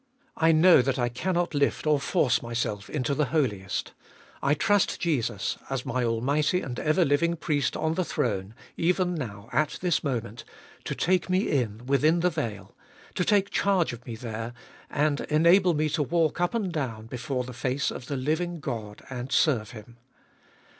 I know that I cannot lift or force myself into the Holiest I trust Jesus, as my almighty and ever living Priest on the throne, even now, at this moment, to take me in within the veil, to take charge of me there, and enable me to walk up and down before the face of the living God, and serve Him.